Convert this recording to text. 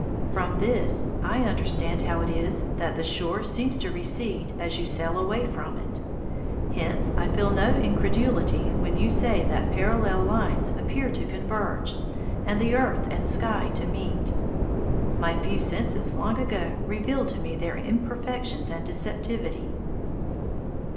From this I understand how it is that the shore seems to recede as you sail away from it. Hence I feel no incredulity when you say that parallel lines appear to converge, and the earth and sky to meet. My few senses long ago revealed to me their imperfections and deceptivity.